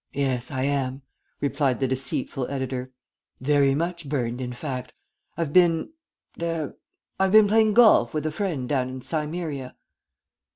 "Yes, I am," replied the deceitful editor. "Very much burned, in fact. I've been er I've been playing golf with a friend down in Cimmeria."